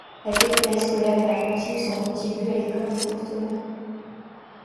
L'accueil périscolaire et la cantine sont contigus à l'école de Courtomer.